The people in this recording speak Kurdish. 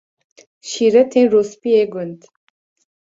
Şîretên Rûspiyê Gund